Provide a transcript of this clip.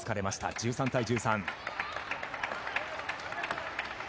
１３対１３。